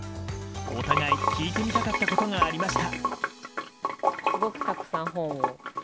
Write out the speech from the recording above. お互い、聞いてみたかったことがありました。